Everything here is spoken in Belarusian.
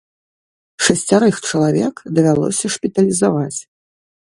Шасцярых чалавек давялося шпіталізаваць.